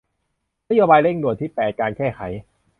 นโยบายเร่งด่วนที่แปดการแก้ไข